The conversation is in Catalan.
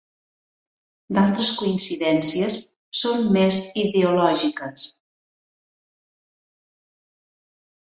D'altres coincidències són més ideològiques.